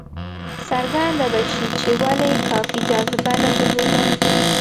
څرګنده به شي چې ولې کافي جاذبه نه درلوده.